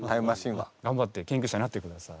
がんばって研究者になってください。